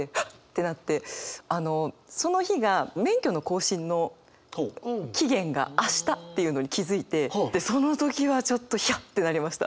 てなってあのその日が免許の更新の期限が明日っていうのに気付いてでその時はちょっとヒヤッてなりました。